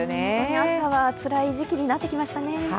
朝はつらい時期になってきましたね。